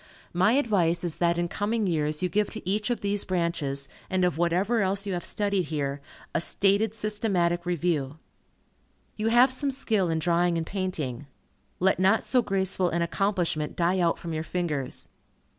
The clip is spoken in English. My advice is that in coming years you give to each of these branches, and of whatever else you have studied here, a stated systematic review. You have some skill in drawing and painting. Let not so graceful an accomplishment die out from your fingers.